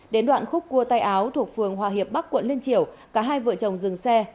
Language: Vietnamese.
cô tay áo thuộc phường hòa hiệp bắc quận liên triểu cả hai vợ chồng dừng xe